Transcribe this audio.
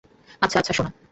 আচ্ছা, আচ্ছা, শোনো।